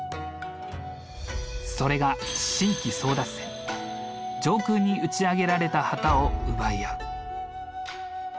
それが上空に打ち上げられた旗を奪い合う。